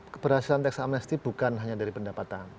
keberhasilan teks amnesty bukan hanya dari pendapatan